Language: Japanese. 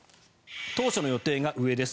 当初の予定が上です。